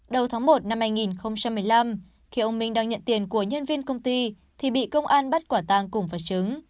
đầu tháng một năm hai nghìn một mươi năm khi ông minh đang nhận tiền của nhân viên công ty thì bị công an bắt quả tang cùng vật chứng